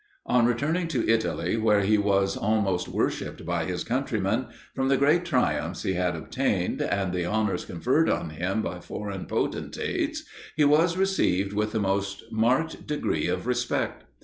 On returning to Italy, where he was almost worshipped by his countrymen, from the great triumphs he had obtained, and the honours conferred on him by foreign potentates, he was received with the most marked degree of respect.